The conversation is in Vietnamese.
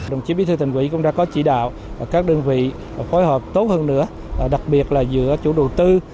đồng chí bí thư thành ủy cũng đã có chỉ đạo các đơn vị phối hợp tốt hơn nữa đặc biệt là giữa chủ đầu tư